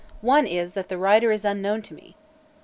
One is that the writer is unknown to me."